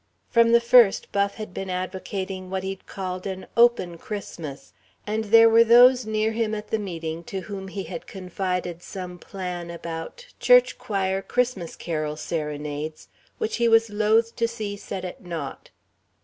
From the first Buff had been advocating what he called "an open Christmas," and there were those near him at the meeting to whom he had confided some plan about "church choir Christmas carol serenades," which he was loath to see set at naught.